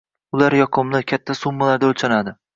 ular yoqimli, katta summalarda oʻlchanadi.